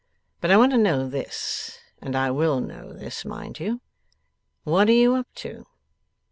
But I want to know this, and I will know this, mind you. What are you up to?